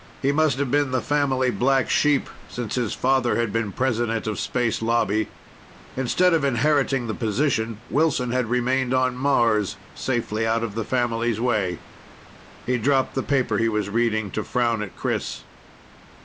He must have been the family black sheep, since his father had been president of Space Lobby. Instead of inheriting the position, Wilson had remained on Mars, safely out of the family's way. He dropped the paper he was reading to frown at Chris.